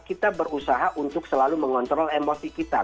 kita berusaha untuk selalu mengontrol emosi kita